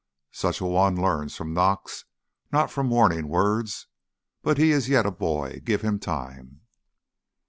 Such a one learns from knocks, not from warning words. But he is yet a boy. Give him time."